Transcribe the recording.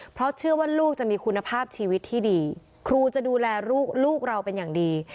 เพราะเชื่อว่าลูกจะมีคุณภาพชีวิตที่ดีครูจะดูแลลูกเราเป็นอย่างดี